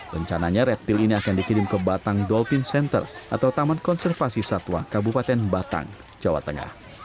rencananya reptil ini akan dikirim ke batang dolpin center atau taman konservasi satwa kabupaten batang jawa tengah